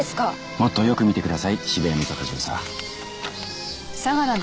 もっとよく見てください渋谷美里巡査。